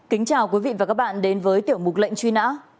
kính chào quý vị và các bạn đến với tiểu mục lệnh truy nã